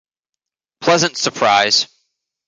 Pleasant surprise!